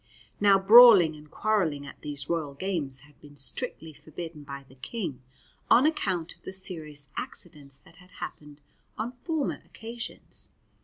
Now brawling and quarrelling at these royal games had been strictly forbidden by the King on account of the serious accidents that had happened on former occasions.